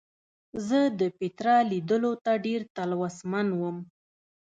زه د پیترا لیدلو ته ډېر تلوسمن وم.